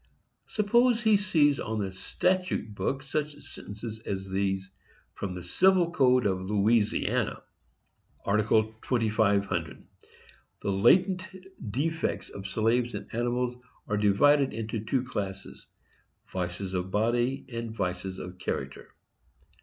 Suppose he sees on the statute book such sentences as these, from the civil code of Louisiana: Art. 2500. The latent defects of slaves and animals are divided into two classes,—vices of body and vices of character.